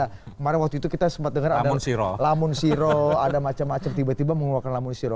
kemarin waktu itu kita sempat dengar ada lamun siro ada macam macam tiba tiba mengeluarkan lamun siro